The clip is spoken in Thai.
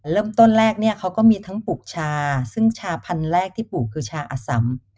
เริ่มต้นแรกเนี่ยเขาก็มีทั้งปลูกชาซึ่งชาพันธุ์แรกที่ปลูกคือชาอสัม